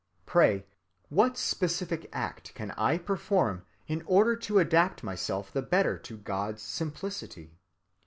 Pray, what specific act can I perform in order to adapt myself the better to God's simplicity?